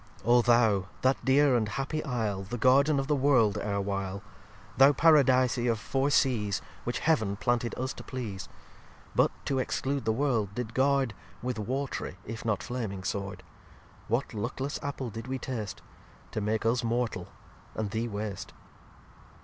xli Oh Thou, that dear and happy Isle The Garden of the World ere while, Thou Paradise of four Seas, Which Heaven planted us to please, But, to exclude the World, did guard With watry if not flaming Sword; What luckless Apple did we tast, To make us Mortal, and Thee Waste.